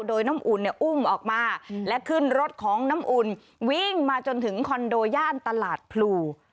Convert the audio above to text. โดยน้ำอุ่นเนี่ยอุ้มออกมาและขึ้นรถของน้ำอุ่นวิ่งมาจนถึงคอนโดย่านตลาดพลู